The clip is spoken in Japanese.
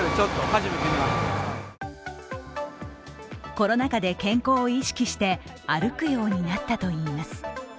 コロナ禍で健康を意識して歩くようになったといいます。